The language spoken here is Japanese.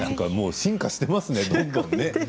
進化していますねどんどんね。